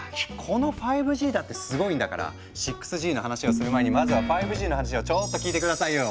この５Ｇだってすごいんだから６Ｇの話をする前にまずは５Ｇの話をちょっと聞いて下さいよ。